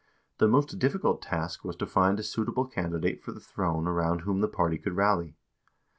The most difficult task was to find a suitable candidate for the throne around whom the party could rally.